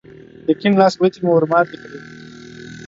د کيڼ لاس ګوتې مو ور ماتې کړې.